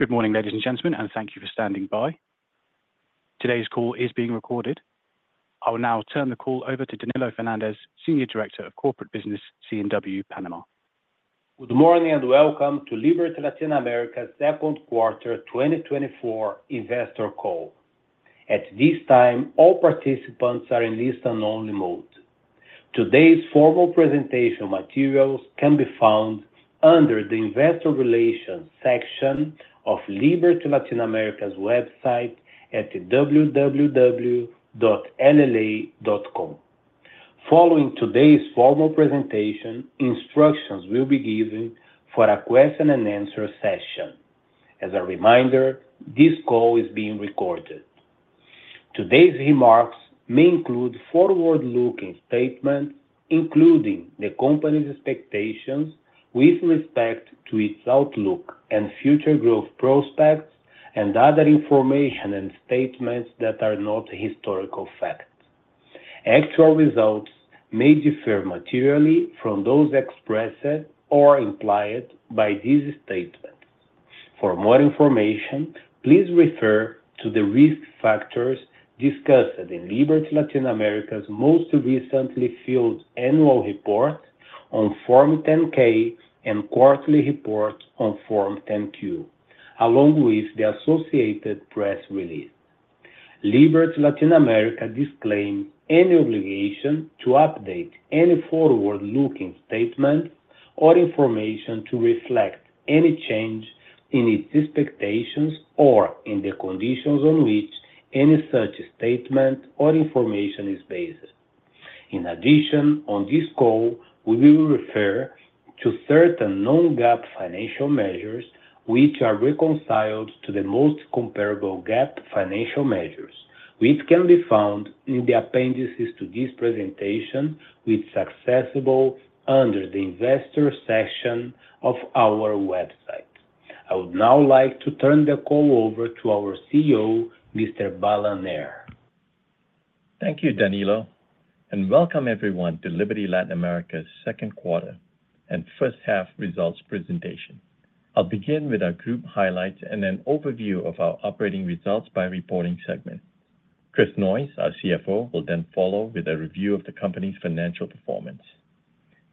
Good morning, ladies and gentlemen, and thank you for standing by. Today's call is being recorded. I will now turn the call over to Danilo Fernández, Senior Director of Corporate Business, C&W Panama. Good morning, and welcome to Liberty Latin America's second quarter 2024 investor call. At this time, all participants are in listen-only mode. Today's formal presentation materials can be found under the Investor Relations section of Liberty Latin America's website at www.lla.com. Following today's formal presentation, instructions will be given for a question-and-answer session. As a reminder, this call is being recorded. Today's remarks may include forward-looking statements, including the company's expectations with respect to its outlook and future growth prospects, and other information and statements that are not historical facts. Actual results may differ materially from those expressed or implied by these statements. For more information, please refer to the risk factors discussed in Liberty Latin America's most recently filed annual report on Form 10-K and quarterly report on Form 10-Q, along with the associated press release. Liberty Latin America disclaims any obligation to update any forward-looking statement or information to reflect any change in its expectations or in the conditions on which any such statement or information is based. In addition, on this call, we will refer to certain non-GAAP financial measures, which are reconciled to the most comparable GAAP financial measures, which can be found in the appendices to this presentation, which is accessible under the investor section of our website. I would now like to turn the call over to our CEO, Mr. Balan Nair. Thank you, Danilo, and welcome everyone to Liberty Latin America's second quarter and first half results presentation. I'll begin with our group highlights and an overview of our operating results by reporting segment. Chris Noyes, our CFO, will then follow with a review of the company's financial performance.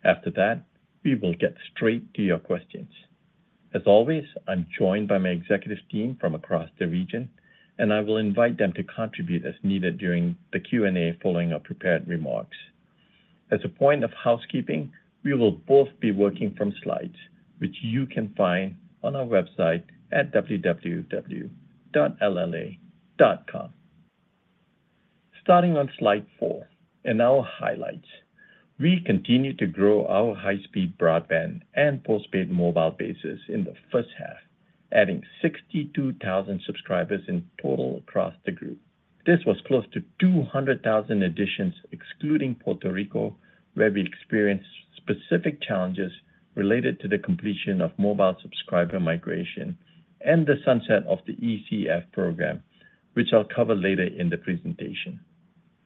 After that, we will get straight to your questions. As always, I'm joined by my executive team from across the region, and I will invite them to contribute as needed during the Q&A following our prepared remarks. As a point of housekeeping, we will both be working from slides, which you can find on our website at www.lla.com. Starting on slide 4, in our highlights. We continued to grow our high-speed broadband and postpaid mobile bases in the first half, adding 62,000 subscribers in total across the group. This was close to 200,000 additions, excluding Puerto Rico, where we experienced specific challenges related to the completion of mobile subscriber migration and the sunset of the ECF program, which I'll cover later in the presentation.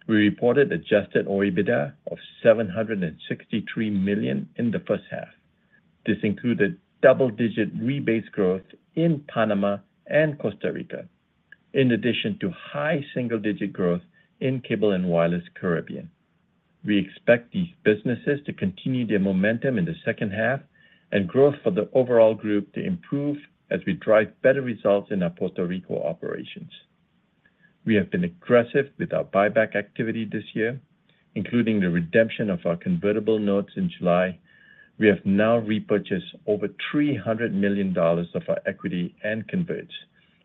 We reported adjusted OIBDA of $763 million in the first half. This included double-digit rebase growth in Panama and Costa Rica, in addition to high single-digit growth in Cable and Wireless Caribbean. We expect these businesses to continue their momentum in the second half and growth for the overall group to improve as we drive better results in our Puerto Rico operations. We have been aggressive with our buyback activity this year, including the redemption of our convertible notes in July. We have now repurchased over $300 million of our equity and converts,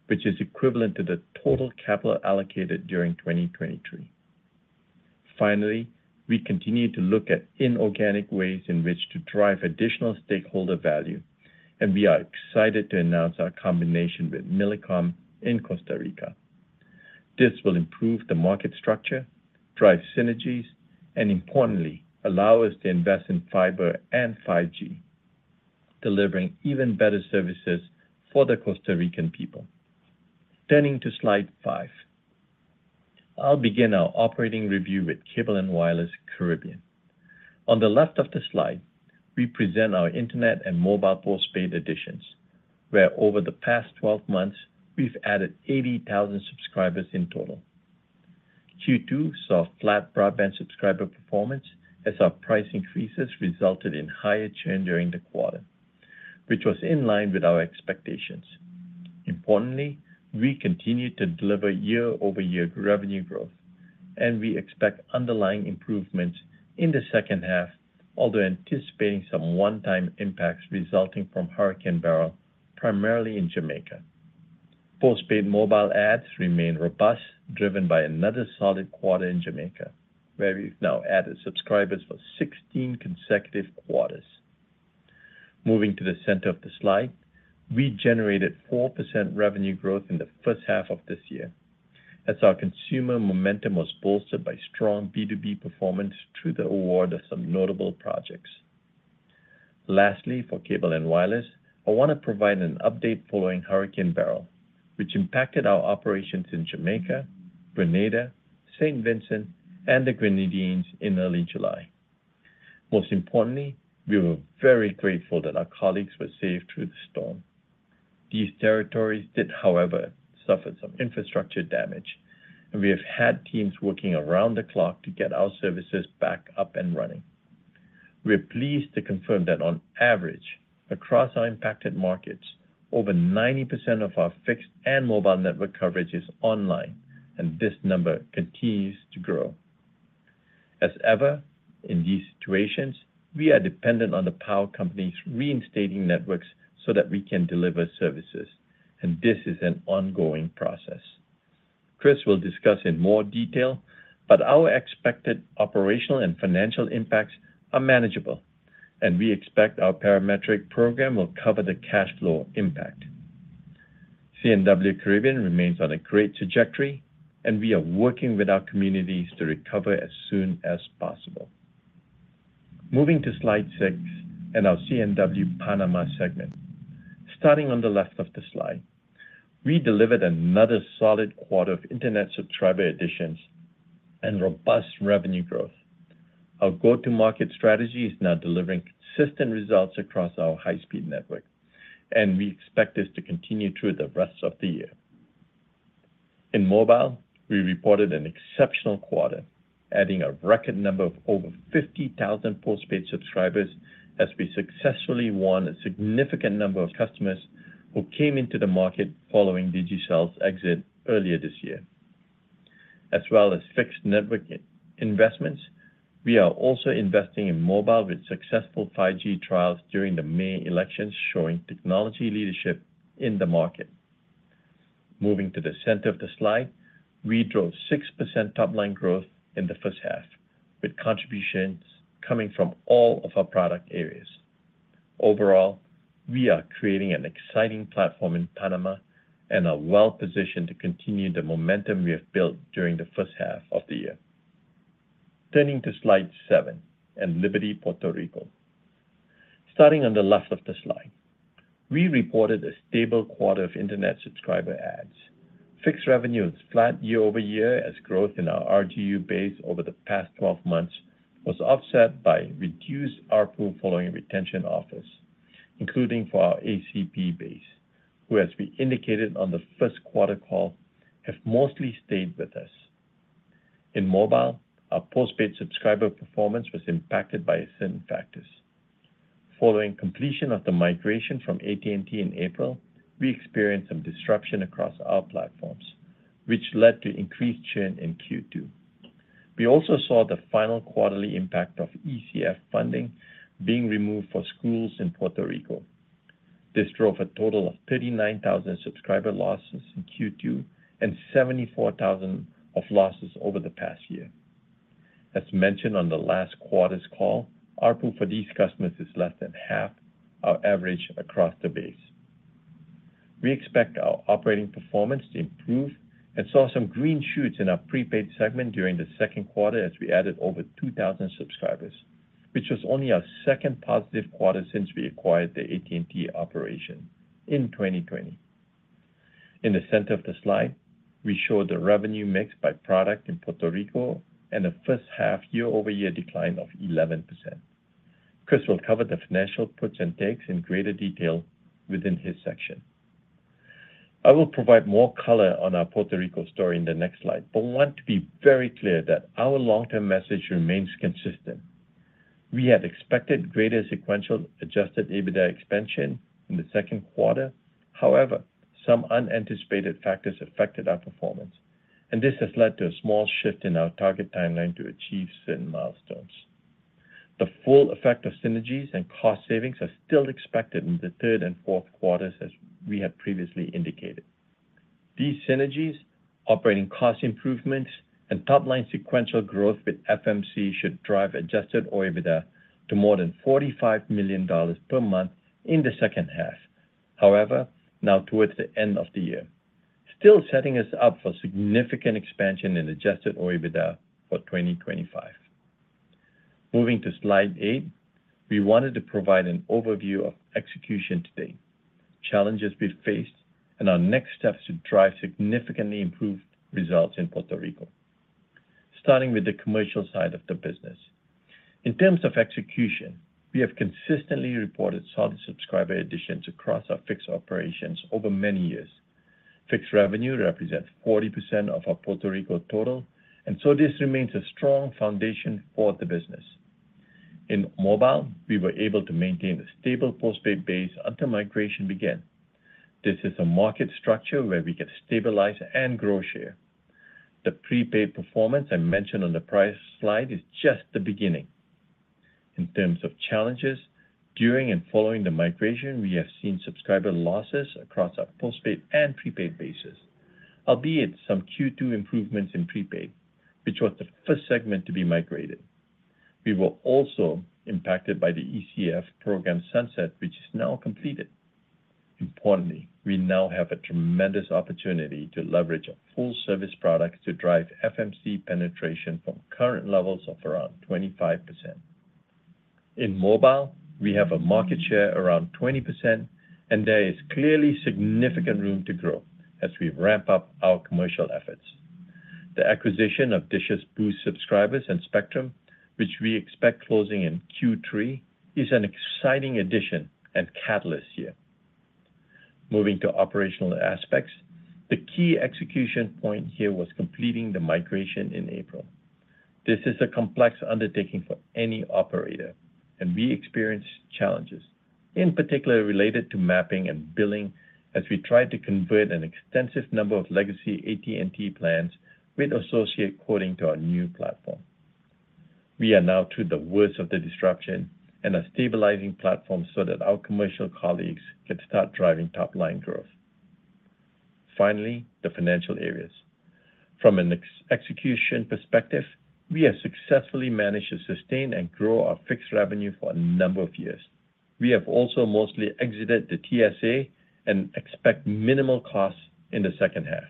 which is equivalent to the total capital allocated during 2023. Finally, we continue to look at inorganic ways in which to drive additional stakeholder value, and we are excited to announce our combination with Millicom in Costa Rica. This will improve the market structure, drive synergies, and importantly, allow us to invest in fiber and 5G, delivering even better services for the Costa Rican people. Turning to slide 5. I'll begin our operating review with Cable and Wireless Caribbean. On the left of the slide, we present our internet and mobile postpaid additions, where over the past 12 months, we've added 80,000 subscribers in total. Q2 saw flat broadband subscriber performance as our price increases resulted in higher churn during the quarter, which was in line with our expectations. Importantly, we continued to deliver year-over-year revenue growth, and we expect underlying improvements in the second half, although anticipating some one-time impacts resulting from Hurricane Beryl, primarily in Jamaica. Postpaid mobile adds remain robust, driven by another solid quarter in Jamaica, where we've now added subscribers for 16 consecutive quarters. Moving to the center of the slide, we generated 4% revenue growth in the first half of this year as our consumer momentum was bolstered by strong B2B performance through the award of some notable projects. Lastly, for Cable & Wireless, I want to provide an update following Hurricane Beryl, which impacted our operations in Jamaica, Grenada, St. Vincent, and the Grenadines in early July. Most importantly, we were very grateful that our colleagues were safe through the storm. These territories did, however, suffer some infrastructure damage, and we have had teams working around the clock to get our services back up and running. We are pleased to confirm that on average, across our impacted markets, over 90% of our fixed and mobile network coverage is online, and this number continues to grow. As ever, in these situations, we are dependent on the power companies reinstating networks so that we can deliver services, and this is an ongoing process. Chris will discuss in more detail, but our expected operational and financial impacts are manageable, and we expect our parametric program will cover the cash flow impact. C&W Caribbean remains on a great trajectory, and we are working with our communities to recover as soon as possible. Moving to Slide 6 and our C&W Panama segment. Starting on the left of the slide, we delivered another solid quarter of internet subscriber additions and robust revenue growth. Our go-to-market strategy is now delivering consistent results across our high-speed network, and we expect this to continue through the rest of the year. In mobile, we reported an exceptional quarter, adding a record number of over 50,000 postpaid subscribers as we successfully won a significant number of customers who came into the market following Digicel's exit earlier this year. As well as fixed network investments, we are also investing in mobile with successful 5G trials during the May elections, showing technology leadership in the market. Moving to the center of the slide, we drove 6% top-line growth in the first half, with contributions coming from all of our product areas. Overall, we are creating an exciting platform in Panama and are well-positioned to continue the momentum we have built during the first half of the year. Turning to Slide 7 and Liberty Puerto Rico. Starting on the left of the slide, we reported a stable quarter of internet subscriber adds. Fixed revenue is flat year-over-year, as growth in our RGU base over the past 12 months was offset by reduced ARPU following retention offers, including for our ACP base, who, as we indicated on the first-quarter call, have mostly stayed with us. In mobile, our postpaid subscriber performance was impacted by certain factors. Following completion of the migration from AT&T in April, we experienced some disruption across our platforms, which led to increased churn in Q2. We also saw the final quarterly impact of ECF funding being removed for schools in Puerto Rico. This drove a total of 39,000 subscriber losses in Q2 and 74,000 of losses over the past year. As mentioned on the last quarter's call, ARPU for these customers is less than half our average across the base. We expect our operating performance to improve and saw some green shoots in our prepaid segment during the second quarter as we added over 2,000 subscribers, which was only our second positive quarter since we acquired the AT&T operation in 2020. In the center of the slide, we show the revenue mix by product in Puerto Rico and a first-half year-over-year decline of 11%. Chris will cover the financial puts and takes in greater detail within his section. I will provide more color on our Puerto Rico story in the next slide, but want to be very clear that our long-term message remains consistent. We had expected greater sequential Adjusted EBITDA expansion in the second quarter. However, some unanticipated factors affected our performance, and this has led to a small shift in our target timeline to achieve certain milestones. The full effect of synergies and cost savings are still expected in the third and fourth quarters, as we had previously indicated. These synergies, operating cost improvements, and top-line sequential growth with FMC should drive Adjusted OIBDA to more than $45 million per month in the second half, however, now towards the end of the year, still setting us up for significant expansion in Adjusted OIBDA for 2025. Moving to Slide 8, we wanted to provide an overview of execution today, challenges we've faced, and our next steps to drive significantly improved results in Puerto Rico. Starting with the commercial side of the business. In terms of execution, we have consistently reported solid subscriber additions across our fixed operations over many years. Fixed revenue represents 40% of our Puerto Rico total, and so this remains a strong foundation for the business. In mobile, we were able to maintain a stable postpaid base until migration began. This is a market structure where we can stabilize and grow share. The prepaid performance I mentioned on the price slide is just the beginning. In terms of challenges, during and following the migration, we have seen subscriber losses across our postpaid and prepaid bases, albeit some Q2 improvements in prepaid, which was the first segment to be migrated. We were also impacted by the ECF program sunset, which is now completed. Importantly, we now have a tremendous opportunity to leverage our full service products to drive FMC penetration from current levels of around 25%. In mobile, we have a market share around 20%, and there is clearly significant room to grow as we ramp up our commercial efforts. The acquisition of Dish's Boost subscribers and spectrum, which we expect closing in Q3, is an exciting addition and catalyst here. Moving to operational aspects, the key execution point here was completing the migration in April. This is a complex undertaking for any operator, and we experienced challenges, in particular related to mapping and billing, as we tried to convert an extensive number of legacy AT&T plans with associate coding to our new platform. We are now through the worst of the disruption and are stabilizing platforms so that our commercial colleagues can start driving top-line growth. Finally, the financial areas. From a post-execution perspective, we have successfully managed to sustain and grow our fixed revenue for a number of years. We have also mostly exited the TSA and expect minimal costs in the second half.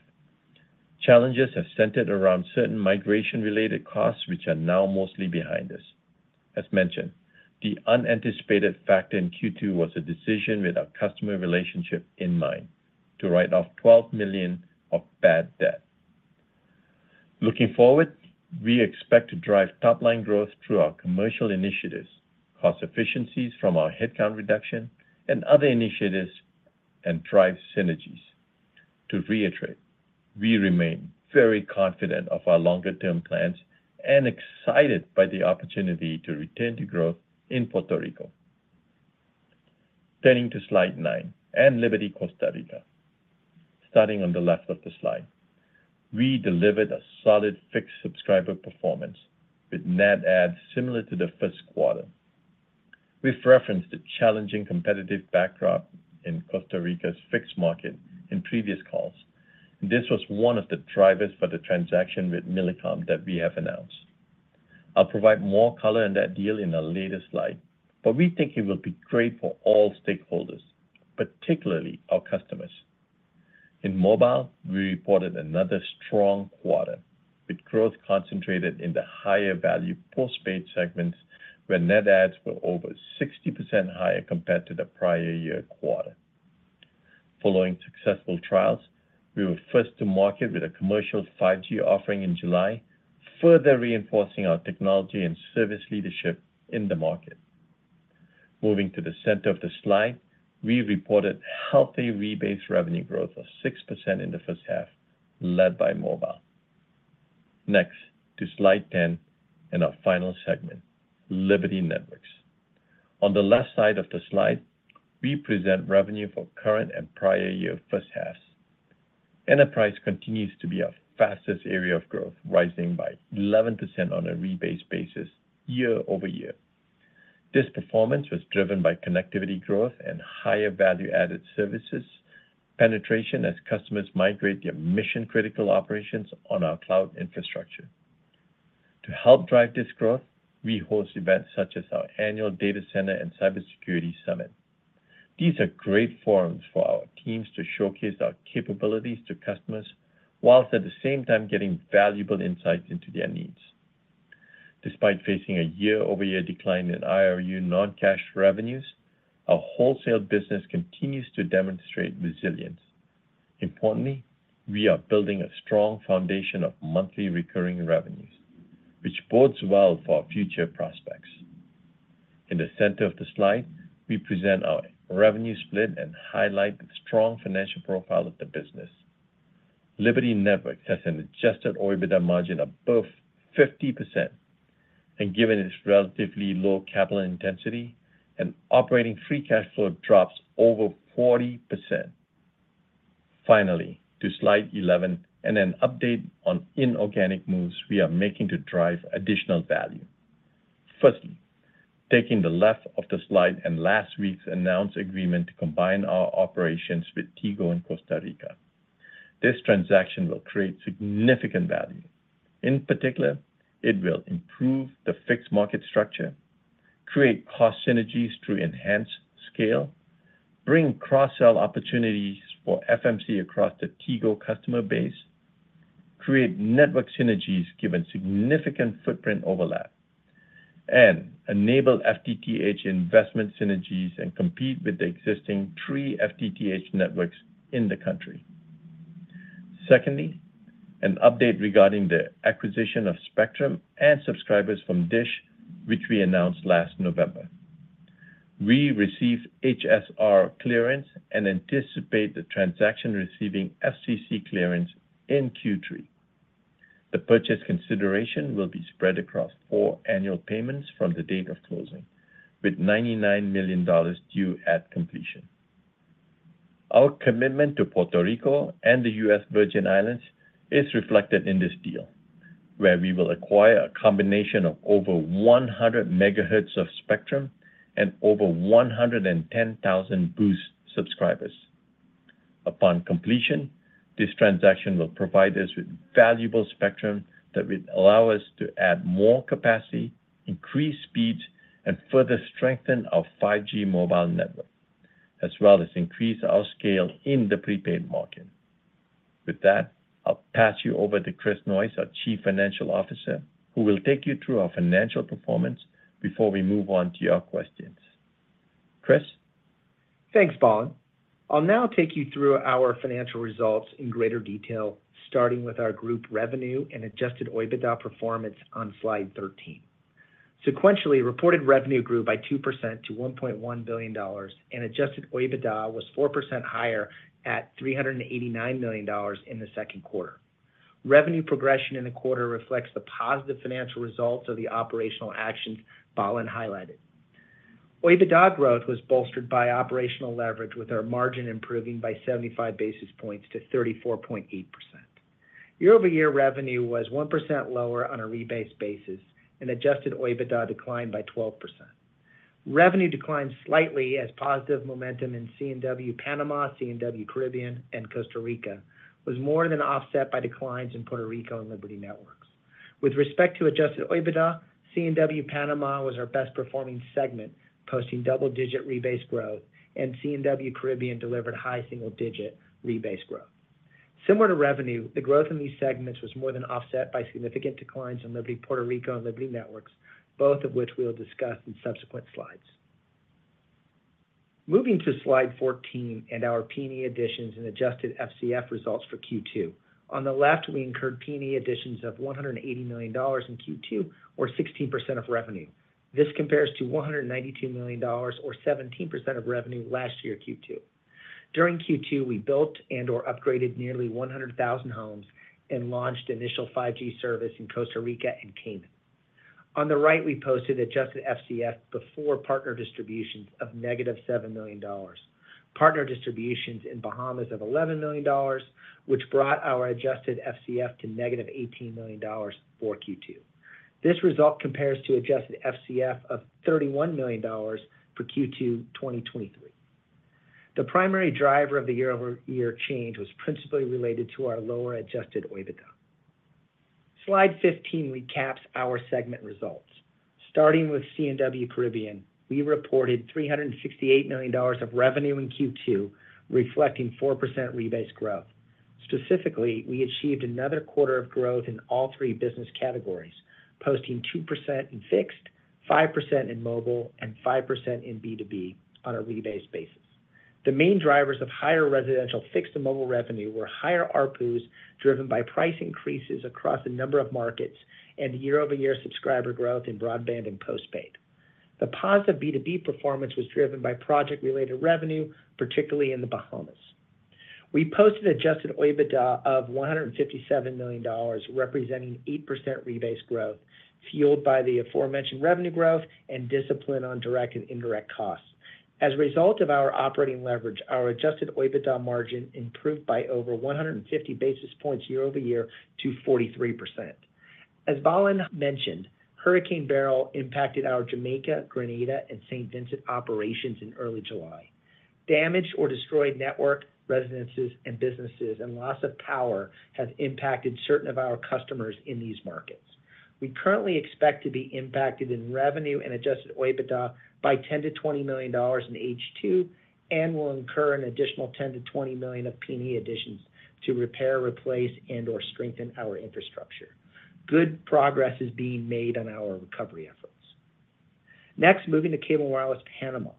Challenges have centered around certain migration-related costs, which are now mostly behind us. As mentioned, the unanticipated factor in Q2 was a decision with our customer relationship in mind to write off $12 million of bad debt. Looking forward, we expect to drive top-line growth through our commercial initiatives, cost efficiencies from our headcount reduction, and other initiatives, and drive synergies. To reiterate, we remain very confident of our longer-term plans and excited by the opportunity to return to growth in Puerto Rico. Turning to Slide 9 and Liberty Costa Rica. Starting on the left of the slide, we delivered a solid fixed subscriber performance with net adds similar to the first quarter. We've referenced the challenging competitive backdrop in Costa Rica's fixed market in previous calls. This was one of the drivers for the transaction with Millicom that we have announced. I'll provide more color on that deal in a later slide, but we think it will be great for all stakeholders, particularly our customers. In mobile, we reported another strong quarter, with growth concentrated in the higher-value postpaid segments, where net adds were over 60% higher compared to the prior year quarter. Following successful trials, we were first to market with a commercial 5G offering in July, further reinforcing our technology and service leadership in the market. Moving to the center of the slide, we reported healthy rebase revenue growth of 6% in the first half, led by mobile. Next, to Slide 10 and our final segment, Liberty Networks. On the left side of the slide, we present revenue for current and prior-year first halves. Enterprise continues to be our fastest area of growth, rising by 11% on a rebase basis year-over-year. This performance was driven by connectivity growth and higher value-added services penetration as customers migrate their mission-critical operations on our cloud infrastructure. To help drive this growth, we host events such as our annual Data Center and Cybersecurity Summit. These are great forums for our teams to showcase our capabilities to customers, whilst at the same time getting valuable insights into their needs. Despite facing a year-over-year decline in IRU non-cash revenues, our wholesale business continues to demonstrate resilience. Importantly, we are building a strong foundation of monthly recurring revenues, which bodes well for our future prospects. In the center of the slide, we present our revenue split and highlight the strong financial profile of the business. Liberty Networks has an Adjusted OIBDA margin above 50%, and given its relatively low capital intensity and operating free cash flow drops over 40%. Finally, to Slide 11 and an update on inorganic moves we are making to drive additional value. Firstly, taking the left of the slide and last week's announced agreement to combine our operations with Tigo in Costa Rica. This transaction will create significant value. In particular, it will improve the fixed market structure, create cost synergies through enhanced scale, bring cross-sell opportunities for FMC across the Tigo customer base, create network synergies, given significant footprint overlap, and enable FTTH investment synergies and compete with the existing three FTTH networks in the country. Secondly, an update regarding the acquisition of spectrum and subscribers from Dish, which we announced last November. We received HSR clearance and anticipate the transaction receiving FCC clearance in Q3. The purchase consideration will be spread across 4 annual payments from the date of closing, with $99 million due at completion. Our commitment to Puerto Rico and the U.S. Virgin Islands is reflected in this deal, where we will acquire a combination of over 100 MHz of spectrum and over 110,000 Boost subscribers. Upon completion, this transaction will provide us with valuable spectrum that will allow us to add more capacity, increase speeds, and further strengthen our 5G mobile network, as well as increase our scale in the prepaid market. With that, I'll pass you over to Chris Noyes, our Chief Financial Officer, who will take you through our financial performance before we move on to your questions. Chris?... Thanks, Balan. I'll now take you through our financial results in greater detail, starting with our group revenue and adjusted OIBDA performance on slide 13. Sequentially, reported revenue grew by 2%-$1.1 billion, and adjusted OIBDA was 4% higher at $389 million in the second quarter. Revenue progression in the quarter reflects the positive financial results of the operational actions Balan highlighted. OIBDA growth was bolstered by operational leverage, with our margin improving by 75 basis points to 34.8%. Year-over-year revenue was 1% lower on a rebased basis, and adjusted OIBDA declined by 12%. Revenue declined slightly as positive momentum in C&W Panama, C&W Caribbean, and Costa Rica was more than offset by declines in Puerto Rico and Liberty Networks. With respect to Adjusted OIBDA, C&W Panama was our best performing segment, posting double-digit rebased growth, and C&W Caribbean delivered high single digit rebased growth. Similar to revenue, the growth in these segments was more than offset by significant declines in Liberty Puerto Rico and Liberty Networks, both of which we will discuss in subsequent slides. Moving to slide 14 and our P&E additions and adjusted FCF results for Q2. On the left, we incurred P&E additions of $180 million in Q2, or 16% of revenue. This compares to $192 million or 17% of revenue last year, Q2. During Q2, we built and/or upgraded nearly 100,000 homes and launched initial 5G service in Costa Rica and Cayman. On the right, we posted adjusted FCF before partner distributions of negative $7 million. Partner distributions in Bahamas of $11 million, which brought our adjusted FCF to -$18 million for Q2. This result compares to adjusted FCF of $31 million for Q2 2023. The primary driver of the year-over-year change was principally related to our lower adjusted OIBDA. Slide 15 recaps our segment results. Starting with C&W Caribbean, we reported $368 million of revenue in Q2, reflecting 4% rebased growth. Specifically, we achieved another quarter of growth in all three business categories, posting 2% in fixed, 5% in mobile, and 5% in B2B on a rebased basis. The main drivers of higher residential fixed and mobile revenue were higher ARPUs, driven by price increases across a number of markets and year-over-year subscriber growth in broadband and postpaid. The positive B2B performance was driven by project-related revenue, particularly in the Bahamas. We posted Adjusted OIBDA of $157 million, representing 8% rebased growth, fueled by the aforementioned revenue growth and discipline on direct and indirect costs. As a result of our operating leverage, our Adjusted OIBDA margin improved by over 150 basis points year-over-year to 43%. As Balan mentioned, Hurricane Beryl impacted our Jamaica, Grenada, and St. Vincent operations in early July. Damaged or destroyed network, residences, and businesses, and loss of power has impacted certain of our customers in these markets. We currently expect to be impacted in revenue and Adjusted OIBDA by $10 million-$20 million in H2, and will incur an additional $10 million-$20 million of P&E additions to repair, replace, and/or strengthen our infrastructure. Good progress is being made on our recovery efforts. Next, moving to Cable & Wireless Panama.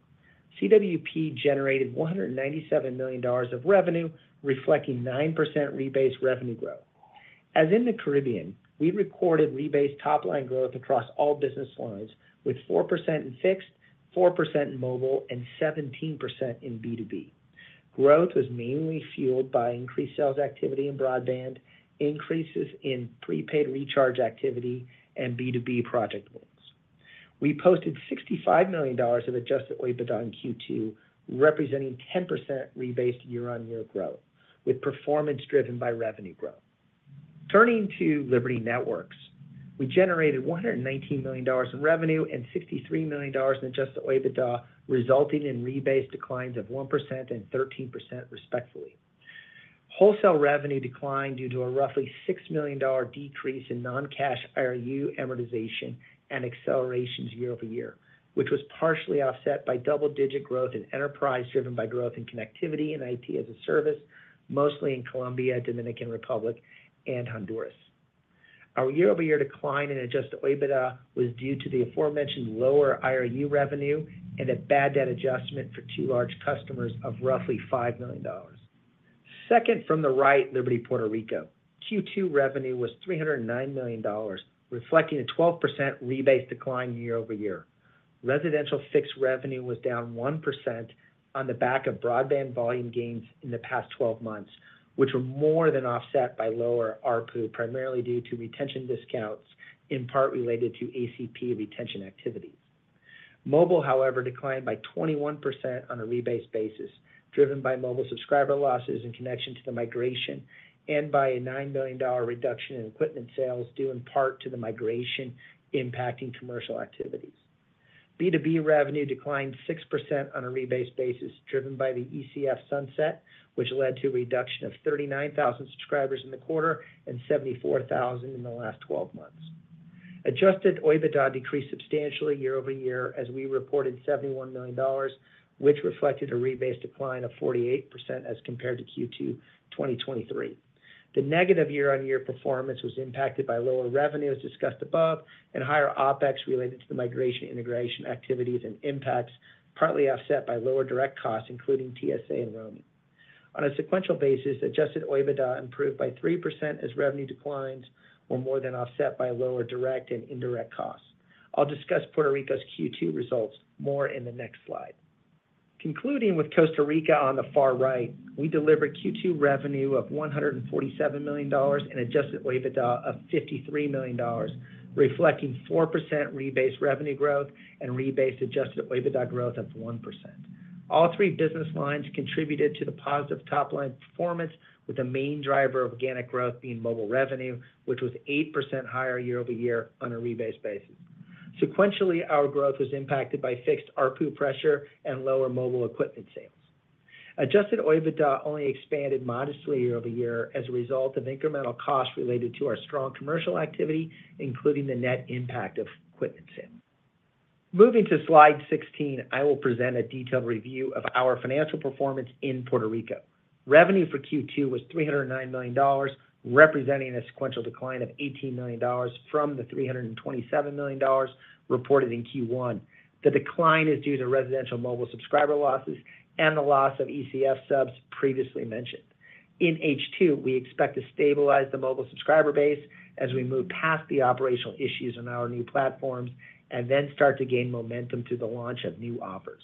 CWP generated $197 million of revenue, reflecting 9% rebased revenue growth. As in the Caribbean, we recorded rebased top-line growth across all business lines, with 4% in fixed, 4% in mobile, and 17% in B2B. Growth was mainly fueled by increased sales activity in broadband, increases in prepaid recharge activity, and B2B project wins. We posted $65 million of adjusted OIBDA in Q2, representing 10% rebased year-on-year growth, with performance driven by revenue growth. Turning to Liberty Networks, we generated $119 million in revenue and $63 million in adjusted OIBDA, resulting in rebased declines of 1% and 13%, respectively. Wholesale revenue declined due to a roughly $6 million decrease in non-cash IRU amortization and accelerations year-over-year, which was partially offset by double-digit growth in enterprise, driven by growth in connectivity and IT as a service, mostly in Colombia, Dominican Republic, and Honduras. Our year-over-year decline in adjusted OIBDA was due to the aforementioned lower IRU revenue and a bad debt adjustment for two large customers of roughly $5 million. Second from the right, Liberty Puerto Rico. Q2 revenue was $309 million, reflecting a 12% rebased decline year-over-year. Residential fixed revenue was down 1% on the back of broadband volume gains in the past 12 months, which were more than offset by lower ARPU, primarily due to retention discounts, in part related to ACP retention activities. Mobile, however, declined by 21% on a rebased basis, driven by mobile subscriber losses in connection to the migration and by a $9 million reduction in equipment sales, due in part to the migration impacting commercial activities. B2B revenue declined 6% on a rebased basis, driven by the ECF sunset, which led to a reduction of 39,000 subscribers in the quarter and 74,000 in the last twelve months. Adjusted OIBDA decreased substantially year-over-year, as we reported $71 million, which reflected a rebased decline of 48% as compared to Q2 2023. The negative year-on-year performance was impacted by lower revenues discussed above, and higher OpEx related to the migration integration activities and impacts, partly offset by lower direct costs, including TSA and roaming. On a sequential basis, Adjusted OIBDA improved by 3% as revenue declines were more than offset by lower direct and indirect costs. I'll discuss Puerto Rico's Q2 results more in the next slide. Concluding with Costa Rica on the far right, we delivered Q2 revenue of $147 million and Adjusted OIBDA of $53 million, reflecting 4% rebased revenue growth and rebased Adjusted OIBDA growth of 1%. All three business lines contributed to the positive top-line performance, with the main driver of organic growth being mobile revenue, which was 8% higher year-over-year on a rebased basis. Sequentially, our growth was impacted by fixed ARPU pressure and lower mobile equipment sales. Adjusted OIBDA only expanded modestly year-over-year as a result of incremental costs related to our strong commercial activity, including the net impact of equipment sales. Moving to Slide 16, I will present a detailed review of our financial performance in Puerto Rico. Revenue for Q2 was $309 million, representing a sequential decline of $18 million from the $327 million reported in Q1. The decline is due to residential mobile subscriber losses and the loss of ECF subs previously mentioned. In H2, we expect to stabilize the mobile subscriber base as we move past the operational issues on our new platforms, and then start to gain momentum to the launch of new offers.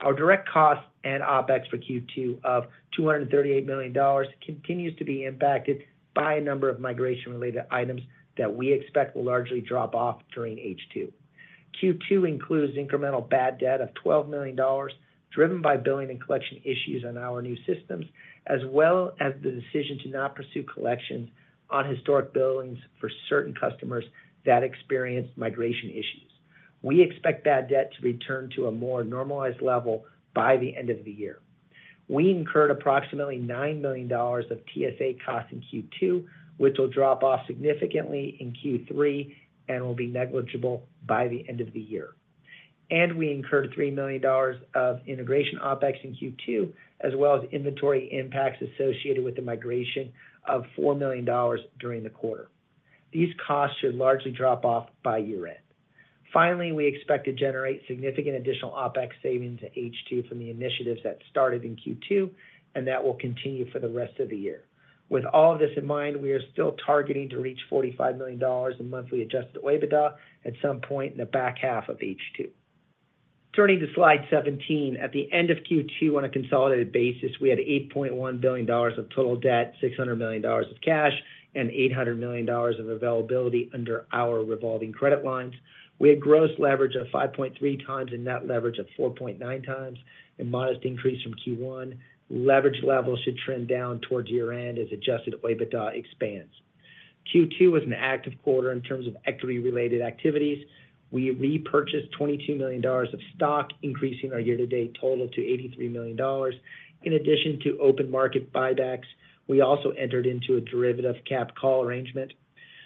Our direct costs and OpEx for Q2 of $238 million continues to be impacted by a number of migration-related items that we expect will largely drop off during H2. Q2 includes incremental bad debt of $12 million, driven by billing and collection issues on our new systems, as well as the decision to not pursue collections on historic billings for certain customers that experienced migration issues. We expect bad debt to return to a more normalized level by the end of the year. We incurred approximately $9 million of TSA costs in Q2, which will drop off significantly in Q3 and will be negligible by the end of the year. We incurred $3 million of integration OpEx in Q2, as well as inventory impacts associated with the migration of $4 million during the quarter. These costs should largely drop off by year-end. Finally, we expect to generate significant additional OpEx savings in H2 from the initiatives that started in Q2, and that will continue for the rest of the year. With all this in mind, we are still targeting to reach $45 million in monthly adjusted OIBDA at some point in the back half of H2. Turning to Slide 17, at the end of Q2 on a consolidated basis, we had $8.1 billion of total debt, $600 million of cash, and $800 million of availability under our revolving credit lines. We had gross leverage of 5.3x and net leverage of 4.9x, a modest increase from Q1. Leverage levels should trend down towards year-end as adjusted OIBDA expands. Q2 was an active quarter in terms of equity-related activities. We repurchased $22 million of stock, increasing our year-to-date total to $83 million. In addition to open market buybacks, we also entered into a derivative cap call arrangement.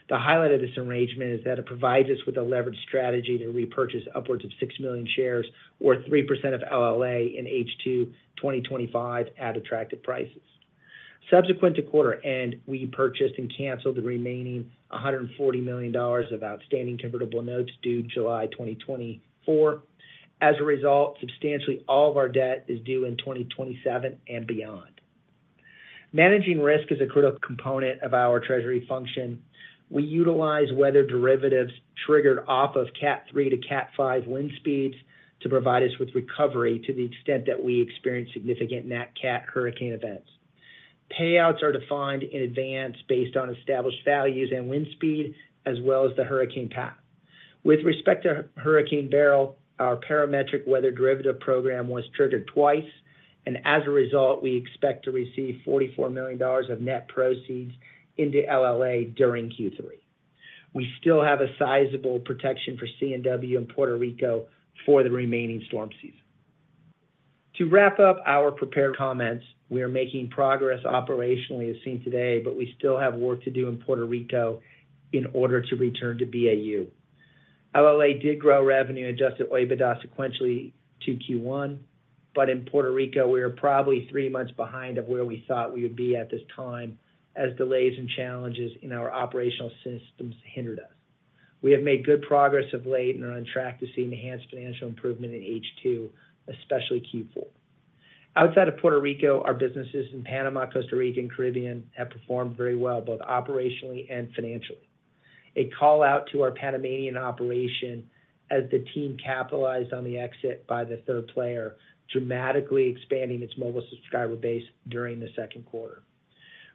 The highlight of this arrangement is that it provides us with a leveraged strategy to repurchase upwards of 6 million shares, or 3% of LLA in H2 2025 at attractive prices. Subsequent to quarter end, we purchased and canceled the remaining $140 million of outstanding convertible notes due July 2024. As a result, substantially, all of our debt is due in 2027 and beyond. Managing risk is a critical component of our treasury function. We utilize weather derivatives triggered off of Cat 3-Cat 5 wind speeds to provide us with recovery to the extent that we experience significant net Cat hurricane events. Payouts are defined in advance based on established values and wind speed, as well as the hurricane path. With respect to Hurricane Beryl, our parametric weather derivative program was triggered twice, and as a result, we expect to receive $44 million of net proceeds into LLA during Q3. We still have a sizable protection for C&W in Puerto Rico for the remaining storm season. To wrap up our prepared comments, we are making progress operationally, as seen today, but we still have work to do in Puerto Rico in order to return to BAU. LLA did grow revenue and Adjusted OIBDA sequentially to Q1, but in Puerto Rico, we are probably three months behind of where we thought we would be at this time, as delays and challenges in our operational systems hindered us. We have made good progress of late and are on track to see enhanced financial improvement in H2, especially Q4. Outside of Puerto Rico, our businesses in Panama, Costa Rica, and Caribbean have performed very well, both operationally and financially. A call out to our Panamanian operation as the team capitalized on the exit by the third player, dramatically expanding its mobile subscriber base during the second quarter.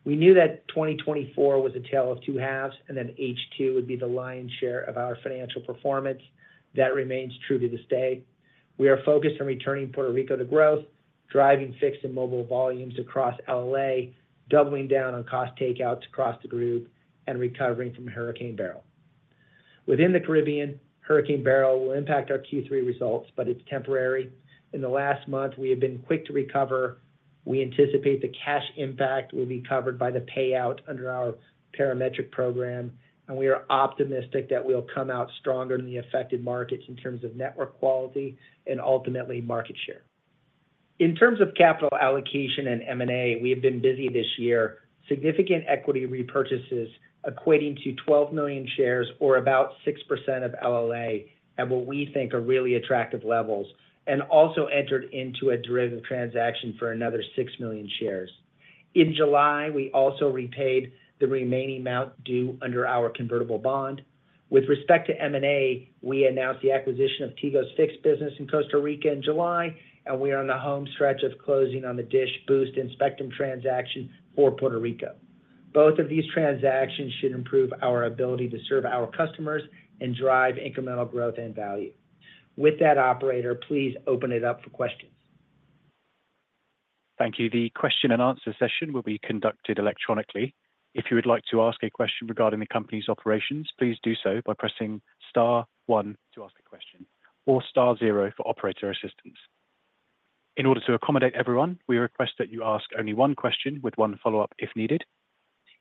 We knew that 2024 was a tale of two halves, and then H2 would be the lion's share of our financial performance. That remains true to this day. We are focused on returning Puerto Rico to growth, driving fixed and mobile volumes across LLA, doubling down on cost takeouts across the group, and recovering from Hurricane Beryl. Within the Caribbean, Hurricane Beryl will impact our Q3 results, but it's temporary. In the last month, we have been quick to recover. We anticipate the cash impact will be covered by the payout under our parametric program, and we are optimistic that we'll come out stronger in the affected markets in terms of network quality and ultimately market share. ...In terms of capital allocation and M&A, we have been busy this year. Significant equity repurchases equating to 12 million shares or about 6% of LLA at what we think are really attractive levels, and also entered into a derivative transaction for another 6 million shares. In July, we also repaid the remaining amount due under our convertible bond. With respect to M&A, we announced the acquisition of Tigo's fixed business in Costa Rica in July, and we are on the home stretch of closing on the Dish Boost and Spectrum transaction for Puerto Rico. Both of these transactions should improve our ability to serve our customers and drive incremental growth and value. With that, operator, please open it up for questions. Thank you. The question and answer session will be conducted electronically. If you would like to ask a question regarding the company's operations, please do so by pressing star one to ask a question, or star zero for operator assistance. In order to accommodate everyone, we request that you ask only one question with one follow-up, if needed.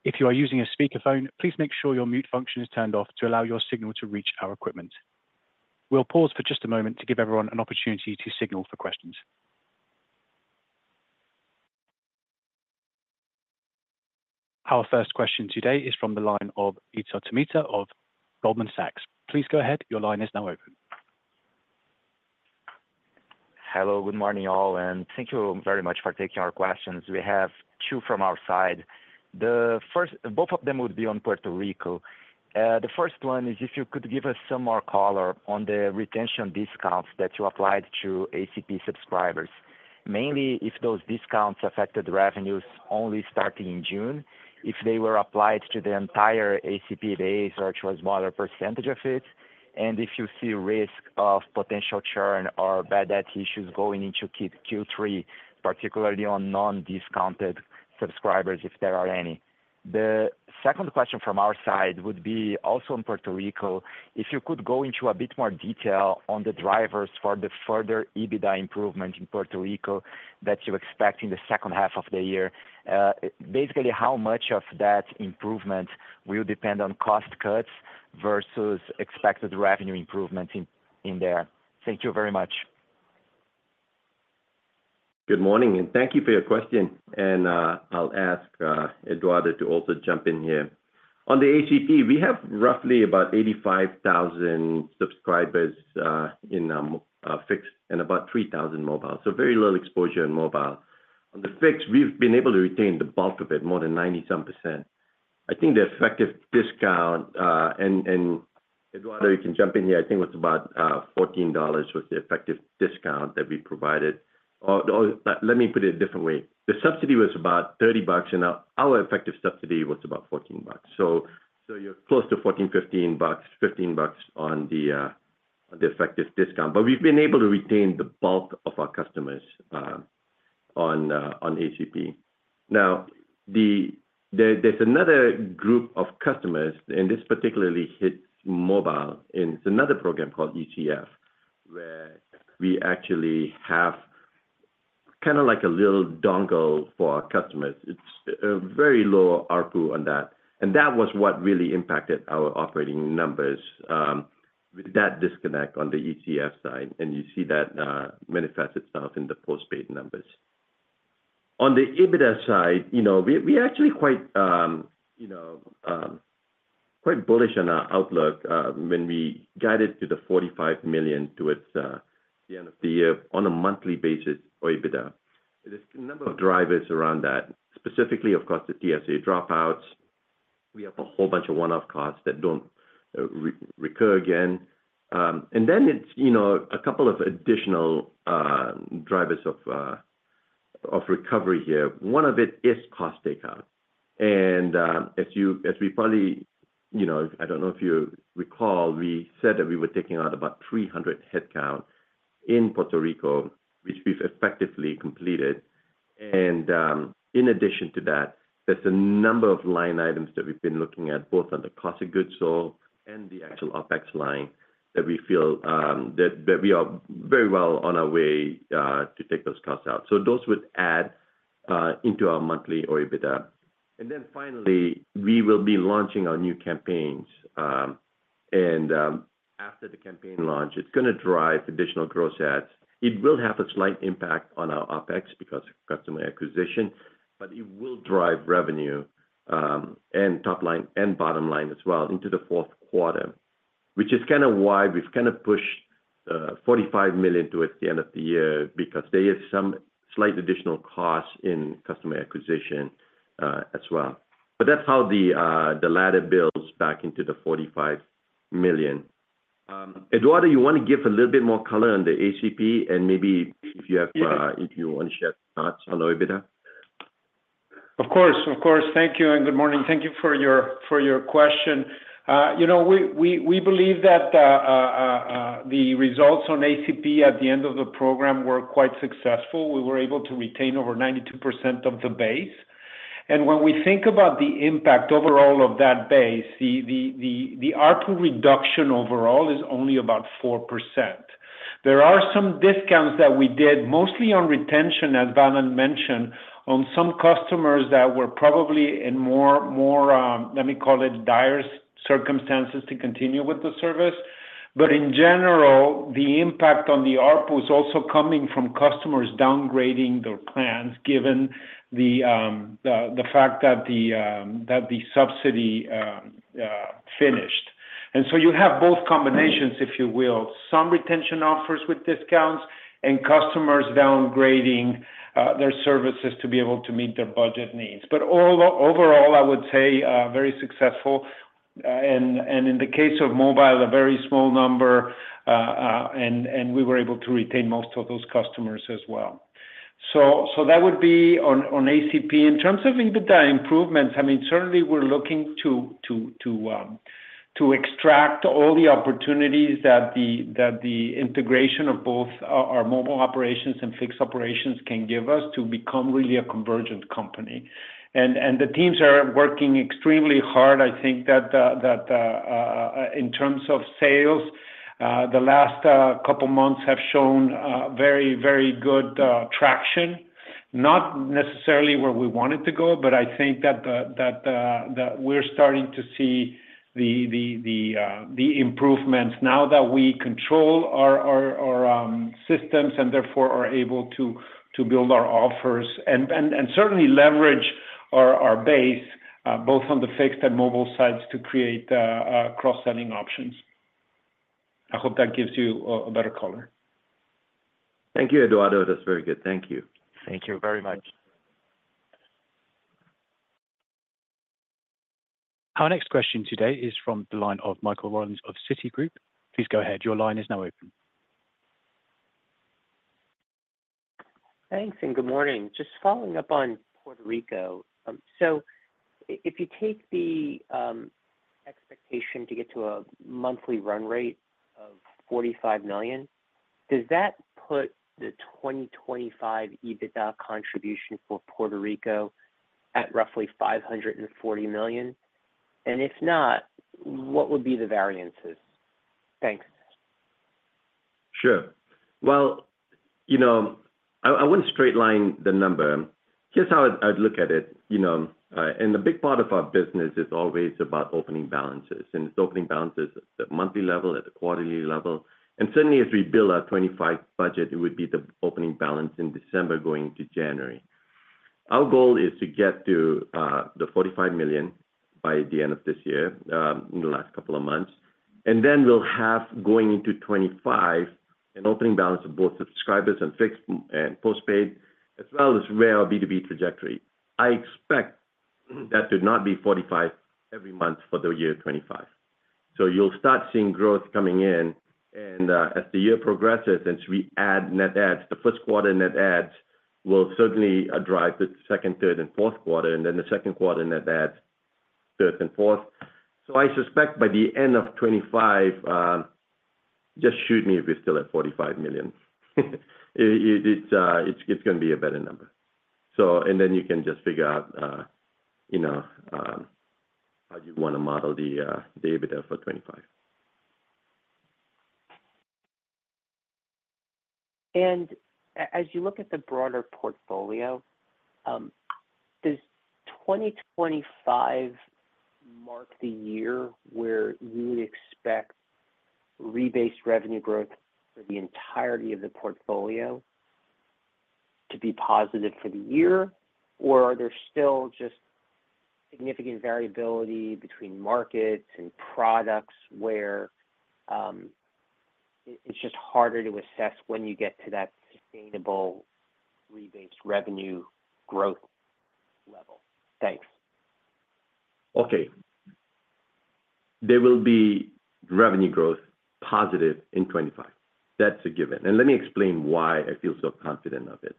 If you are using a speakerphone, please make sure your mute function is turned off to allow your signal to reach our equipment. We'll pause for just a moment to give everyone an opportunity to signal for questions. Our first question today is from the line of Vitor Tomita of Goldman Sachs. Please go ahead. Your line is now open. Hello, good morning, all, and thank you very much for taking our questions. We have two from our side. The first—both of them would be on Puerto Rico. The first one is if you could give us some more color on the retention discounts that you applied to ACP subscribers. Mainly, if those discounts affected revenues only starting in June, if they were applied to the entire ACP base or towards a smaller percentage of it, and if you see risk of potential churn or bad debt issues going into Q3, particularly on non-discounted subscribers, if there are any. The second question from our side would be also in Puerto Rico. If you could go into a bit more detail on the drivers for the further EBITDA improvement in Puerto Rico that you expect in the second half of the year. Basically, how much of that improvement will depend on cost cuts versus expected revenue improvements in there? Thank you very much. Good morning, and thank you for your question. I'll ask Eduardo to also jump in here. On the ACP, we have roughly about 85,000 subscribers in fixed and about 3,000 mobile. So very little exposure in mobile. On the fixed, we've been able to retain the bulk of it, more than 90%some. I think the effective discount, and Eduardo, you can jump in here. I think it was about $14 was the effective discount that we provided. Or let me put it a different way. The subsidy was about $30, and our effective subsidy was about $14. So you're close to $14, $15. $15 on the effective discount. But we've been able to retain the bulk of our customers on ACP. Now, there's another group of customers, and this particularly hits mobile, and it's another program called ETF, where we actually have kinda like a little dongle for our customers. It's a very low ARPU on that, and that was what really impacted our operating numbers, with that disconnect on the ETF side, and you see that manifest itself in the postpaid numbers. On the EBITDA side, you know, we are actually quite, you know, quite bullish on our outlook, when we guided to $45 million towards the end of the year on a monthly basis OIBDA. There's a number of drivers around that, specifically, of course, the TSA dropouts. We have a whole bunch of one-off costs that don't recur again. And then it's, you know, a couple of additional drivers of recovery here. One of it is cost takeout. And, as we probably, you know, I don't know if you recall, we said that we were taking out about 300 headcount in Puerto Rico, which we've effectively completed. And, in addition to that, there's a number of line items that we've been looking at, both on the cost of goods sold and the actual OpEx line, that we feel, that, that we are very well on our way, to take those costs out. So those would add, into our monthly OIBDA. And then finally, we will be launching our new campaigns, and, after the campaign launch, it's gonna drive additional gross ads. It will have a slight impact on our OpEx because customer acquisition, but it will drive revenue, and top line and bottom line as well into the fourth quarter, which is kinda why we've kinda pushed $45 million towards the end of the year, because there is some slight additional costs in customer acquisition as well. But that's how the ladder builds back into the $45 million. Eduardo, you want to give a little bit more color on the ACP and maybe if you have, if you want to share thoughts on OIBDA? Of course, of course. Thank you, and good morning. Thank you for your, for your question. You know, we, we, we believe that the results on ACP at the end of the program were quite successful. We were able to retain over 92% of the base. And when we think about the impact overall of that base, the ARPU reduction overall is only about 4%. There are some discounts that we did, mostly on retention, as Balan mentioned, on some customers that were probably in more, more, let me call it, dire circumstances to continue with the service. ... but in general, the impact on the ARPU is also coming from customers downgrading their plans, given the fact that the subsidy finished. And so you have both combinations, if you will, some retention offers with discounts and customers downgrading their services to be able to meet their budget needs. But overall, I would say very successful. And in the case of mobile, a very small number, and we were able to retain most of those customers as well. So that would be on ACP. In terms of EBITDA improvements, I mean, certainly we're looking to extract all the opportunities that the integration of both our mobile operations and fixed operations can give us to become really a convergent company. The teams are working extremely hard. I think that in terms of sales, the last couple months have shown very, very good traction. Not necessarily where we want it to go, but I think that we're starting to see the improvements now that we control our systems and therefore are able to build our offers and certainly leverage our base both on the fixed and mobile sides to create cross-selling options. I hope that gives you a better color. Thank you, Eduardo. That's very good. Thank you. Thank you very much. Our next question today is from the line of Michael Rollins of Citigroup. Please go ahead. Your line is now open. Thanks, and good morning. Just following up on Puerto Rico. If you take the expectation to get to a monthly run rate of $45 million, does that put the 2025 EBITDA contribution for Puerto Rico at roughly $540 million? And if not, what would be the variances? Thanks. Sure. Well, you know, I wouldn't straight line the number. Here's how I'd look at it, you know, and the big part of our business is always about opening balances, and it's opening balances at the monthly level, at the quarterly level, and certainly as we build our 2025 budget, it would be the opening balance in December, going to January. Our goal is to get to the 45 million by the end of this year, in the last couple of months, and then we'll have going into 2025, an opening balance of both subscribers and fixed and postpaid, as well as where our B2B trajectory. I expect that to not be 45 every month for the year 2025. So you'll start seeing growth coming in, and as the year progresses, since we add net adds, the first quarter net adds will certainly drive the second, third, and fourth quarter, and then the second quarter net adds third and fourth. So I suspect by the end of 2025, just shoot me if we're still at $45 million. It, it's, it's going to be a better number. So and then you can just figure out, you know, how you want to model the, the EBITDA for 2025. As you look at the broader portfolio, does 2025 mark the year where you would expect rebase revenue growth for the entirety of the portfolio to be positive for the year? Or are there still just significant variability between markets and products where, it, it's just harder to assess when you get to that sustainable rebase revenue growth level? Thanks. Okay. There will be revenue growth positive in 2025. That's a given, and let me explain why I feel so confident of it.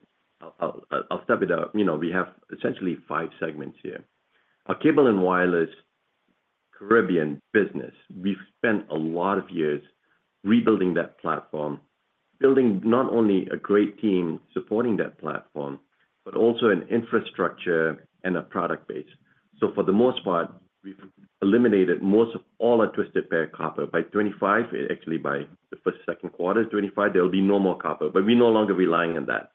I'll start it out. You know, we have essentially five segments here. Our Cable and Wireless Caribbean business, we've spent a lot of years rebuilding that platform, building not only a great team supporting that platform, but also an infrastructure and a product base. So for the most part, we've eliminated most of all our twisted pair copper. By 2025, actually, by the first, second quarter of 2025, there will be no more copper, but we're no longer relying on that.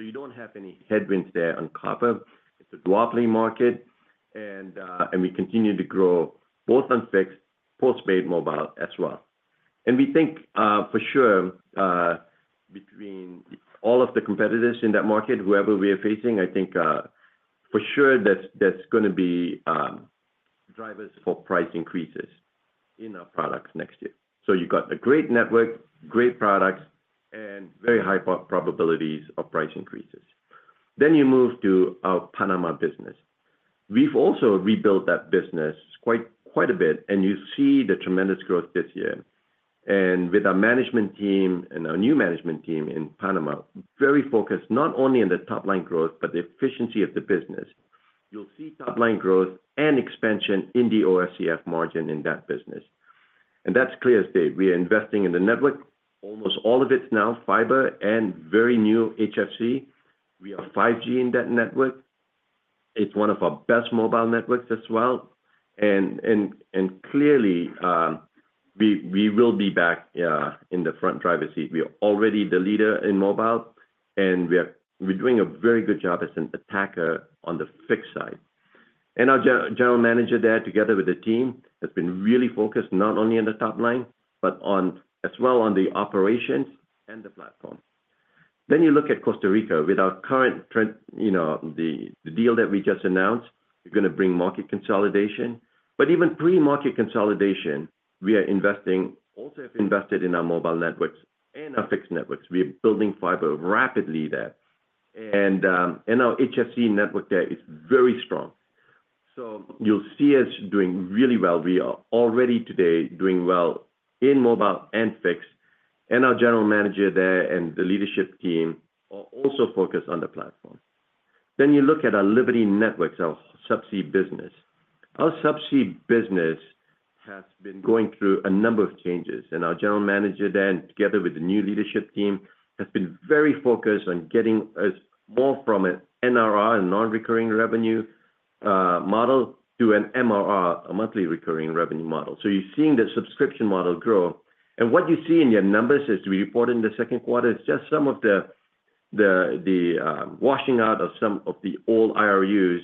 So you don't have any headwinds there on copper. It's a broad market, and we continue to grow both on fixed, postpaid mobile as well. And we think, for sure, between all of the competitors in that market, whoever we are facing, I think, for sure that's, that's gonna be drivers for price increases in our products next year. So you've got a great network, great products, and very high probabilities of price increases. Then you move to our Panama business. We've also rebuilt that business quite a bit, and you see the tremendous growth this year. And with our management team and our new management team in Panama, very focused not only on the top-line growth, but the efficiency of the business. You'll see top-line growth and expansion in the OCF margin in that business. And that's a clear statement. We are investing in the network, almost all of it's now fiber and very new HFC. We are 5G in that network. It's one of our best mobile networks as well, and clearly, we will be back in the front driver's seat. We are already the leader in mobile, and we're doing a very good job as an attacker on the fixed side, and our general manager there, together with the team, has been really focused not only on the top line, but also on the operations and the platform. Then you look at Costa Rica. With our current trend, you know, the deal that we just announced, we're gonna bring market consolidation. But even pre-market consolidation, we are investing, also have invested in our mobile networks and our fixed networks. We are building fiber rapidly there, and our HFC network there is very strong. So you'll see us doing really well. We are already today doing well in mobile and fixed, and our general manager there and the leadership team are also focused on the platform. Then you look at our Liberty Networks, our subsea business. Our subsea business has been going through a number of changes, and our general manager there, together with the new leadership team, has been very focused on getting us more from an NRR, a non-recurring revenue model, to an MRR, a monthly recurring revenue model. So you're seeing the subscription model grow, and what you see in your numbers as we report in the second quarter, is just some of the washing out of some of the old IRUs,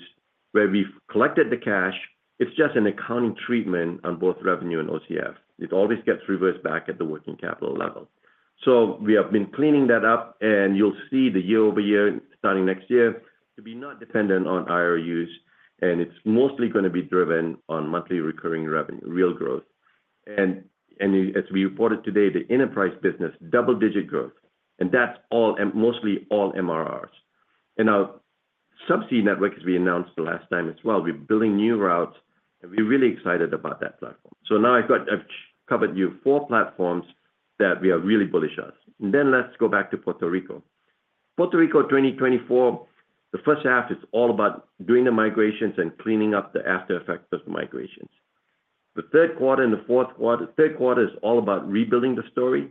where we've collected the cash. It's just an accounting treatment on both revenue and OCF. It always gets reversed back at the working capital level. So we have been cleaning that up, and you'll see the year-over-year, starting next year, to be not dependent on IRUs, and it's mostly gonna be driven on monthly recurring revenue, real growth. And, and as we reported today, the enterprise business, double-digit growth, and that's all, mostly all MRRs. And our subsea network, as we announced the last time as well, we're building new routes, and we're really excited about that platform. So now I've covered you four platforms that we are really bullish on. Then let's go back to Puerto Rico. Puerto Rico, 2024, the first half is all about doing the migrations and cleaning up the aftereffects of the aftereffects of the migrations. The third quarter and the fourth quarter, third quarter is all about rebuilding the story,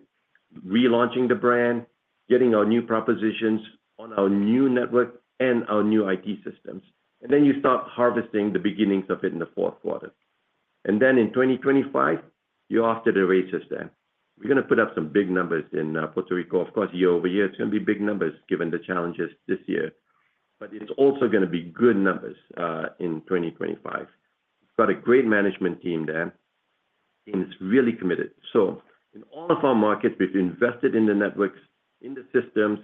relaunching the brand, getting our new propositions on our new network and our new IT systems. Then you start harvesting the beginnings of it in the fourth quarter. Then in 2025, you're off to the races then. We're gonna put up some big numbers in Puerto Rico. Of course, year-over-year, it's gonna be big numbers given the challenges this year, but it's also gonna be good numbers in 2025. We've got a great management team there, and it's really committed. In all of our markets, we've invested in the networks, in the systems,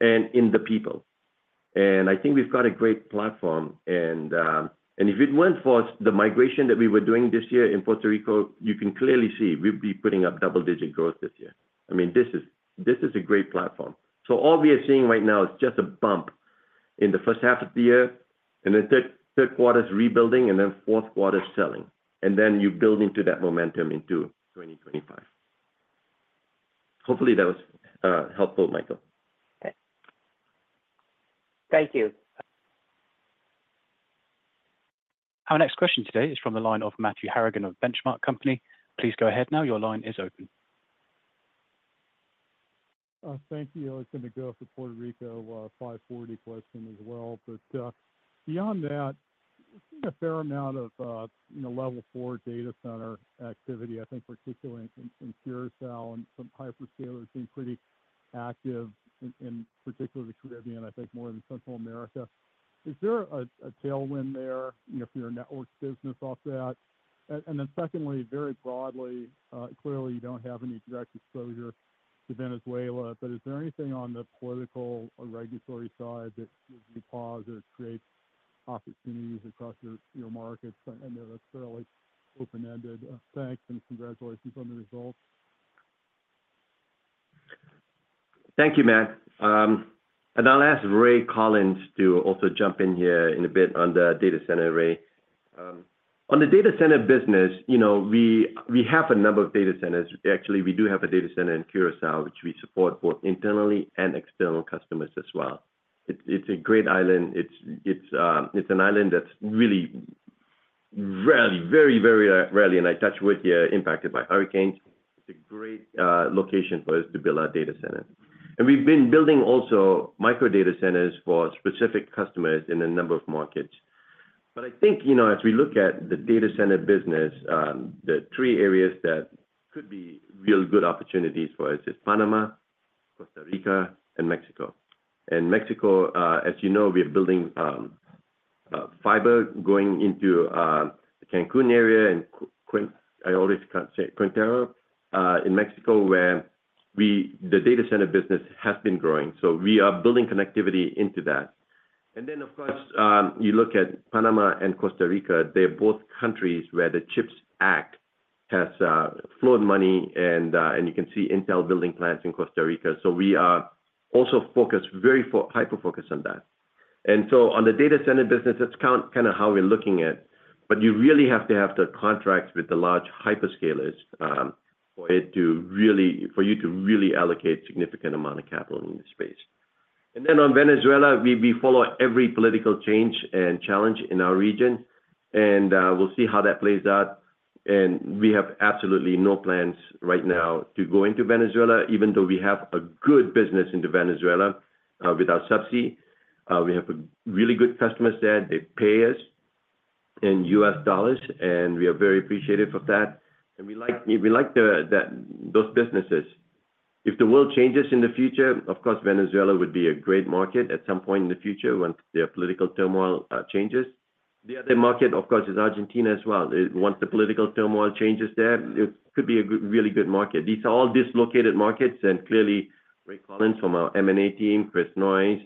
and in the people. And I think we've got a great platform, and if it weren't for the migration that we were doing this year in Puerto Rico, you can clearly see we'd be putting up double-digit growth this year. I mean, this is a great platform. All we are seeing right now is just a bump in the first half of the year, and the third quarter is rebuilding, and then fourth quarter is selling. Then you build into that momentum into 2025. Hopefully, that was helpful, Michael. Okay. Thank you. Our next question today is from the line of Matthew Harrigan of The Benchmark Company. Please go ahead now. Your line is open. Thank you. I was gonna go with the Puerto Rico, 540 question as well, but, beyond that, I've seen a fair amount of, you know, level four data center activity, I think particularly in, in Curaçao, and some hyperscalers seem pretty active in, in particularly the Caribbean, I think more than Central America. Is there a, a tailwind there, you know, for your networks business off that? And, then secondly, very broadly, clearly, you don't have any direct exposure to Venezuela, but is there anything on the political or regulatory side that would pause or create opportunities across your, your markets? I know that's fairly open-ended. Thanks, and congratulations on the results. Thank you, Matt. And I'll ask Ray Collins to also jump in here in a bit on the data center array. On the data center business, you know, we, we have a number of data centers. Actually, we do have a data center in Curaçao, which we support both internally and external customers as well. It's, it's a great island. It's, it's, it's an island that's really, rarely, very, very rarely, and I touch wood here, impacted by hurricanes. It's a great location for us to build our data center. And we've been building also micro data centers for specific customers in a number of markets. But I think, you know, as we look at the data center business, the three areas that could be real good opportunities for us is Panama, Costa Rica, and Mexico. Mexico, as you know, we are building fiber going into the Cancún area and Querétaro in Mexico, where the data center business has been growing, so we are building connectivity into that. Then, of course, you look at Panama and Costa Rica, they're both countries where the CHIPS Act has flowed money, and you can see Intel building plants in Costa Rica. So we are also focused, very hyper-focused on that. And so on the data center business, that's kind of how we're looking at, but you really have to have the contracts with the large hyperscalers for you to really allocate significant amount of capital in this space. Then on Venezuela, we follow every political change and challenge in our region, and we'll see how that plays out. We have absolutely no plans right now to go into Venezuela, even though we have a good business into Venezuela with our subsea. We have really good customers there. They pay us in U.S. dollars, and we are very appreciative of that, and we like that those businesses. If the world changes in the future, of course, Venezuela would be a great market at some point in the future when their political turmoil changes. The other market, of course, is Argentina as well. Once the political turmoil changes there, it could be a good, really good market. These are all dislocated markets, and clearly, Ray Collins from our M&A team, Chris Noyes,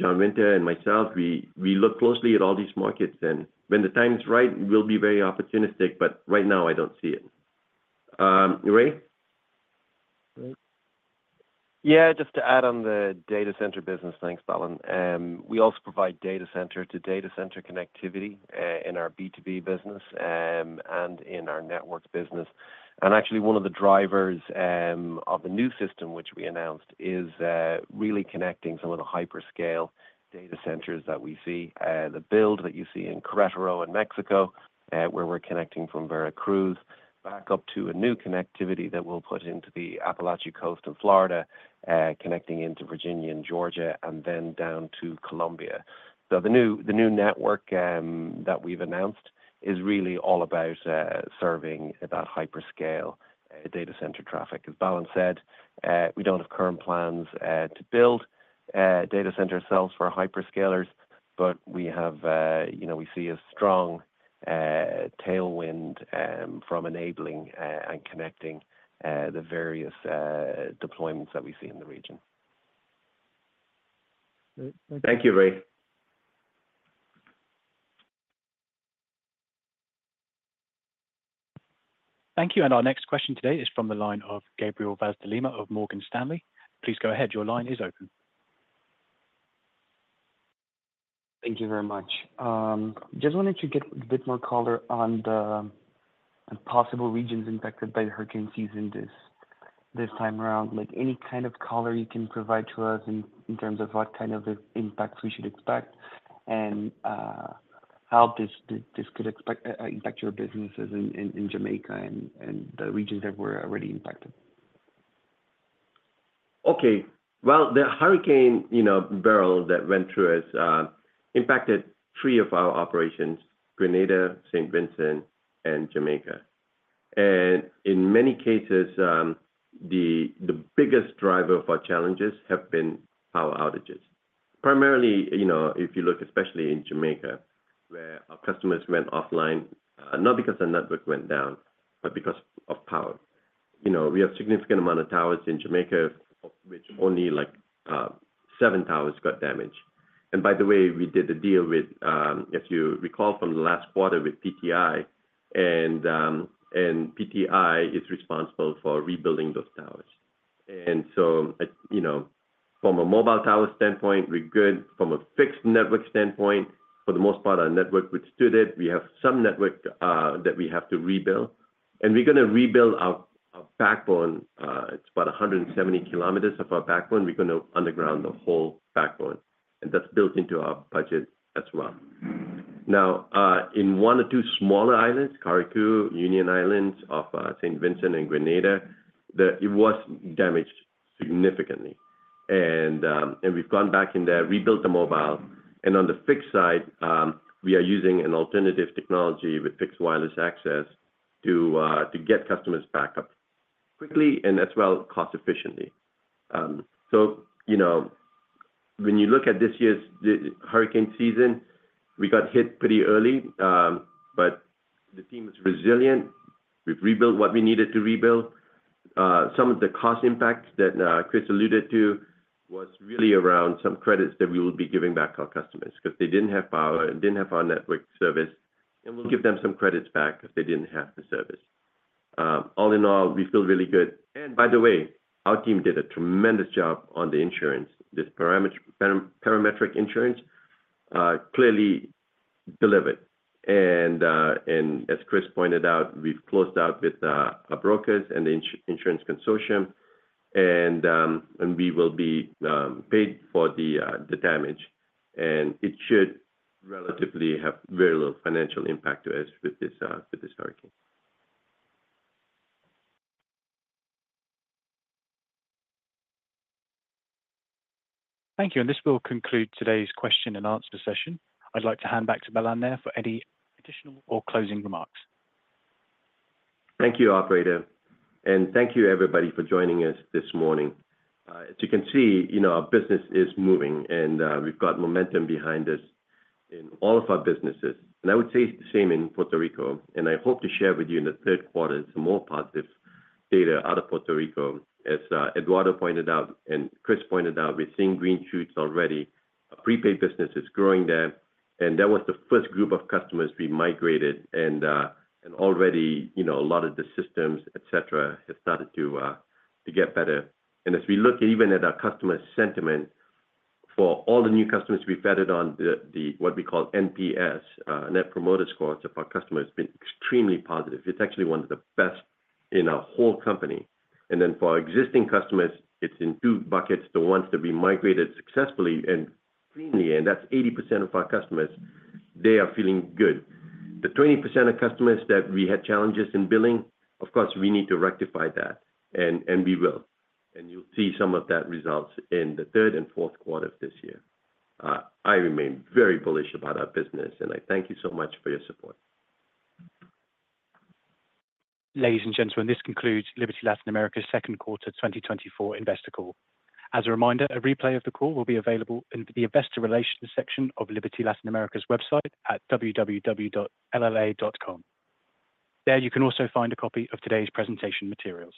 John Winter, and myself, we look closely at all these markets, and when the time is right, we'll be very opportunistic, but right now I don't see it. Ray? Yeah, just to add on the data center business. Thanks, Balan. We also provide data center to data center connectivity in our B2B business and in our networks business. And actually, one of the drivers of the new system, which we announced, is really connecting some of the hyperscale data centers that we see. The build that you see in Querétaro in Mexico, where we're connecting from Veracruz back up to a new connectivity that we'll put into the Apalachee Coast of Florida, connecting into Virginia and Georgia, and then down to Colombia. So the new network that we've announced is really all about serving that hyperscale data center traffic. As Balan said, we don't have current plans to build data center shells for hyperscalers, but we have... You know, we see a strong tailwind from enabling and connecting the various deployments that we see in the region. Thank you, Ray. Thank you, and our next question today is from the line of Gabriel Vaz de Lima of Morgan Stanley. Please go ahead. Your line is open. Thank you very much. Just wanted to get a bit more color on the, on possible regions impacted by the hurricane season this time around. Like, any kind of color you can provide to us in, in terms of what kind of impacts we should expect? And how this could expect impact your businesses in Jamaica and the regions that were already impacted. Okay. Well, the hurricane, you know, Beryl, that went through has impacted three of our operations, Grenada, St. Vincent, and Jamaica. And in many cases, the biggest driver of our challenges have been power outages. Primarily, you know, if you look, especially in Jamaica, where our customers went offline, not because the network went down, but because of power. You know, we have significant amount of towers in Jamaica, of which only, like, seven towers got damaged. And by the way, we did a deal with, if you recall from the last quarter with PTI, and PTI is responsible for rebuilding those towers. And so, you know, from a mobile tower standpoint, we're good. From a fixed network standpoint, for the most part, our network withstood it. We have some network that we have to rebuild, and we're gonna rebuild our backbone. It's about 170 kilometers of our backbone. We're gonna underground the whole backbone, and that's built into our budget as well. Now, in one or two smaller islands, Carriacou, Union Island of St. Vincent and Grenada, it was damaged significantly. And we've gone back in there, rebuilt the mobile, and on the fixed side, we are using an alternative technology with fixed wireless access to get customers back up quickly and as well, cost efficiently. So, you know, when you look at this year's hurricane season, we got hit pretty early, but the team is resilient. We've rebuilt what we needed to rebuild. Some of the cost impacts that Chris alluded to was really around some credits that we will be giving back to our customers because they didn't have power and didn't have our network service, and we'll give them some credits back if they didn't have the service. All in all, we feel really good. And by the way, our team did a tremendous job on the insurance. This parametric insurance clearly delivered. And, and as Chris pointed out, we've closed out with our brokers and insurance consortium, and, and we will be paid for the damage, and it should relatively have very little financial impact to us with this hurricane. Thank you, and this will conclude today's question and answer session. I'd like to hand back to Balan Nair for any additional or closing remarks. Thank you, operator, and thank you, everybody, for joining us this morning. As you can see, you know, our business is moving, and we've got momentum behind us in all of our businesses. And I would say the same in Puerto Rico, and I hope to share with you in the third quarter some more positive data out of Puerto Rico. As Eduardo pointed out and Chris pointed out, we're seeing green shoots already. Our prepaid business is growing there, and that was the first group of customers we migrated, and already, you know, a lot of the systems, et cetera, have started to get better. And as we look even at our customer sentiment, for all the new customers we gathered on the, the what we call NPS, Net Promoter Scores of our customers, have been extremely positive. It's actually one of the best in our whole company. Then for our existing customers, it's in two buckets, the ones that we migrated successfully and cleanly, and that's 80% of our customers. They are feeling good. The 20% of customers that we had challenges in billing, of course, we need to rectify that, and we will, and you'll see some of that results in the third and fourth quarter of this year. I remain very bullish about our business, and I thank you so much for your support. Ladies and gentlemen, this concludes Liberty Latin America's second quarter 2024 investor call. As a reminder, a replay of the call will be available in the investor relations section of Liberty Latin America's website at www.lla.com. There, you can also find a copy of today's presentation materials.